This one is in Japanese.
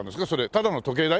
ただの時計台？